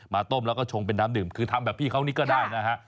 ต้มแล้วก็ชงเป็นน้ำดื่มคือทำแบบพี่เขานี่ก็ได้นะฮะ